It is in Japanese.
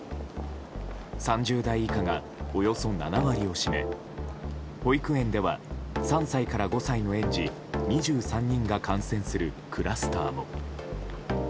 ３０代以下がおよそ７割を占め保育園では３歳から５歳の園児２３人が感染するクラスターも。